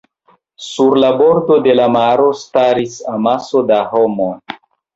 Sur la bordo de la maro staris amaso da homoj.